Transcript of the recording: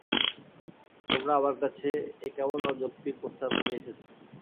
তোমরা আমার কাছে এ কেমন অযৌক্তিক প্রস্তাব নিয়ে এসেছো?